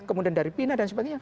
kemudian dari pina dan sebagainya